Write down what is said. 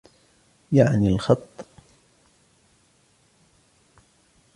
يَعْنِي الْخَطَّ